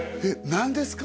何ですか？